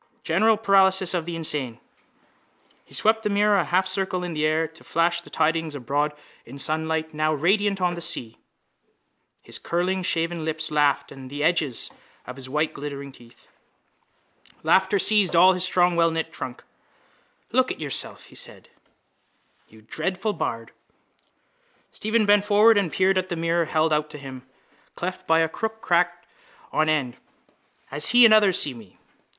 General paralysis of the insane! He swept the mirror a half circle in the air to flash the tidings abroad in sunlight now radiant on the sea. His curling shaven lips laughed and the edges of his white glittering teeth. Laughter seized all his strong wellknit trunk. —Look at yourself, he said, you dreadful bard! Stephen bent forward and peered at the mirror held out to him, cleft by a crooked crack. Hair on end. As he and others see me.